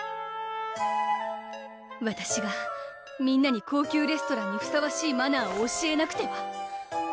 わたしがみんなに高級レストランにふさわしいマナーを教えなくては！